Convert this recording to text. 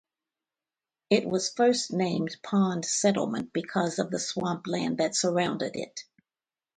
It was first named Pond Settlement because of the swamp land that surrounded it.